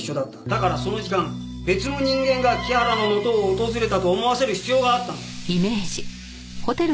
だからその時間別の人間が木原の元を訪れたと思わせる必要があったんだ。